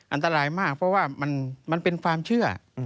อันตรายมากเพราะว่ามันเป็นความเชื่อ